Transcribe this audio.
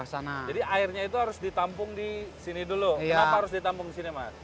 jadi airnya itu harus ditampung di sini dulu kenapa harus ditampung di sini mas